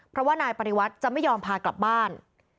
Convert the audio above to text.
เพราะว่านายปริวัติจะไม่ยอมพากลับบ้าน